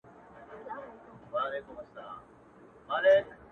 ته ښايسته يې ستا صفت خوله د هر چا كي اوســـــي-